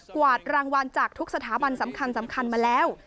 กวาดรางวัลจากทุกสถาบันสำคัญมาแล้ว